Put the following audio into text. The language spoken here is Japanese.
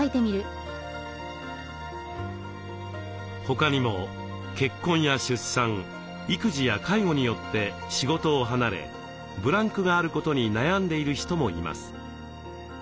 他にも結婚や出産育児や介護によって仕事を離れブランクがあることに悩んでいる人もいます。